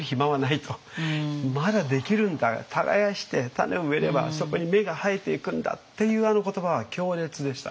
そうだ耕して種を植えればそこに芽が生えていくんだっていうあの言葉は強烈でしたね。